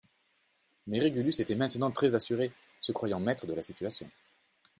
Mais Régulus était maintenant très assuré, se croyant maître de la situation.